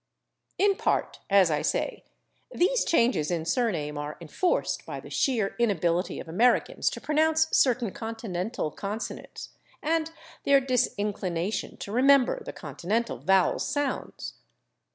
In part, as I say, these changes in surname are enforced by the sheer inability of Americans to pronounce certain Continental consonants, and their disinclination to remember the Continental vowel sounds.